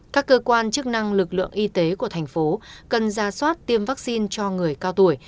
các cơ quan chức năng lực lượng y tế của thành phố cần ra soát tiêm vaccine cho người cao tuổi